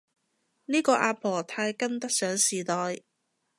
呢個阿婆太跟得上時代